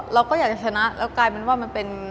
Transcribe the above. เราก็อยากจะชนะแล้วกลายเป็นว่ามันเป็น